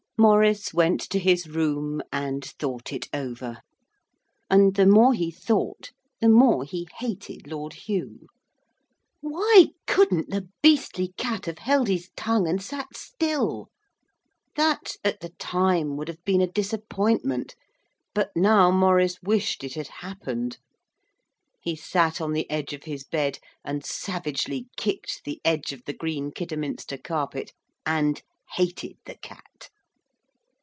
Maurice went to his room and thought it over. And the more he thought the more he hated Lord Hugh. Why couldn't the beastly cat have held his tongue and sat still? That, at the time would have been a disappointment, but now Maurice wished it had happened. He sat on the edge of his bed and savagely kicked the edge of the green Kidderminster carpet, and hated the cat.